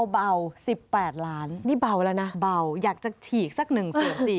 เบา๑๘ล้านนี่เบาแล้วนะเบาอยากจะฉีกสัก๑๔๐๐